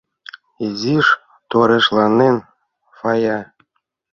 — Изиш торешланен Фая.